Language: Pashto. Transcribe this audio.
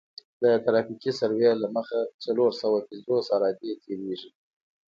د ترافیکي سروې له مخې څلور سوه پنځوس عرادې تیریږي